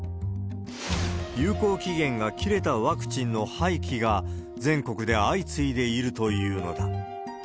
有効期限が切れたワクチンの廃棄が、全国で相次いでいるというのだ。